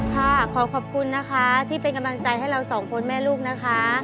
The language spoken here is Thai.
ขอขอบคุณนะคะที่เป็นกำลังใจให้เราสองคนแม่ลูกนะคะ